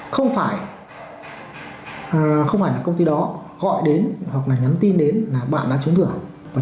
không phải không phải là công ty đó gọi đến hoặc là nhắn tin đến là bạn đã trúng thưởng